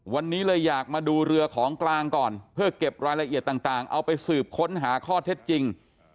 วันนี้เลยอยากมาดูเรือของกลางก่อนเพื่อเก็บรายละเอียดต่างเอาไปสืบค้นหาข้อเท็จจริง